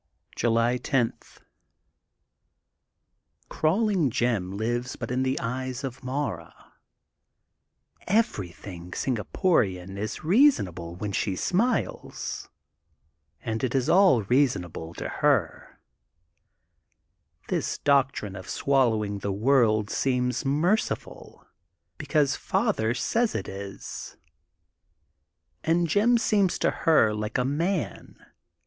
July 10: — Crawling Jim lives but in the eyes of Mara. Everything Singaporian is reasonable while she smiles, and it is all rea sonable to her. This doctrine of swallowing the world seems merciful because ^ ^father'' 258 THE GOLDEN BOOK OF SPRINGFIELD says it is. And Jim seems to her like a man.